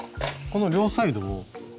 この両サイドを。